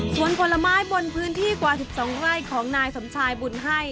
ส่วนผลไม้บนพื้นที่กว่า๑๒ไร่ของนายสมชายบุญให้